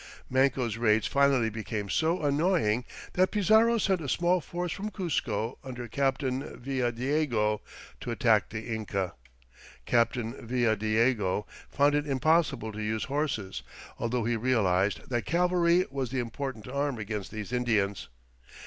Manco's raids finally became so annoying that Pizarro sent a small force from Cuzco under Captain Villadiego to attack the Inca. Captain Villadiego found it impossible to use horses, although he realized that cavalry was the "important arm against these Indians."